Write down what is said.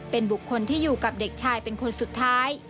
เป็นบุคคลที่อยู่กับเด็กชายเป็นคนสุดท้าย